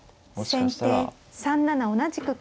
先手３七同じく金。